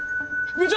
部長！